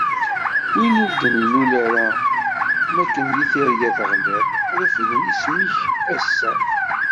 Wid ur d-nlul ara mi akken di terga teɣliḍ, refden isem-ik ass-a.